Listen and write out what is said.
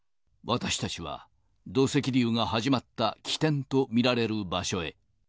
私たちは、土石流が始まった起点と見られる場所へ。